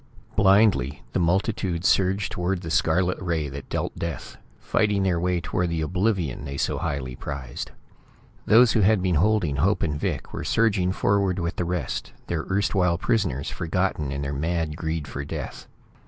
Blindly, the multitude surged towards the scarlet ray that dealt death, fighting their way toward the oblivion they so highly prized. Those who had been holding Hope and Vic were surging forward with the rest, their erstwhile prisoners forgotten in their mad greed for death.